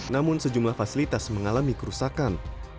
namun sejumlah fasilitas mengalami kerusakan